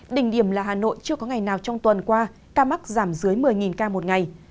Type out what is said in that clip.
đỉnh điểm là hà nội chưa có ngày nào trong tuần qua ca mắc giảm dưới một mươi ca một ngày